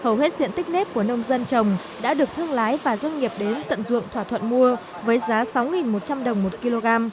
hầu hết diện tích nếp của nông dân trồng đã được thương lái và doanh nghiệp đến tận dụng thỏa thuận mua với giá sáu một trăm linh đồng một kg